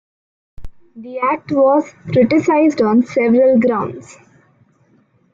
The act was criticized on several grounds.